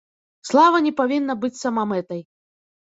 Слава не павінна быць самамэтай.